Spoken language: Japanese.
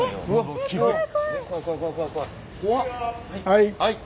はい。